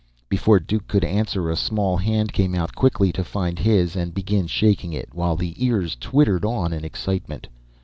Before Duke could answer, a small hand came out quickly to find his and begin shaking it, while the ears twittered on in excitement.